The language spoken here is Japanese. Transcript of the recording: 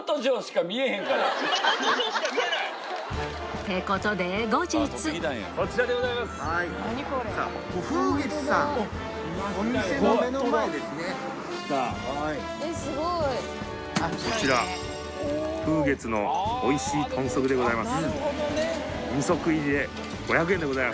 ってことで後日こちら風月のおいしい豚足でございます。